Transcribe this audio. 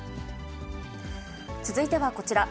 続いてはこちら。